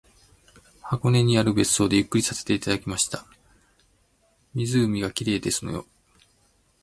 箱根にある別荘でゆっくりさせていただきました。湖が綺麗ですのよ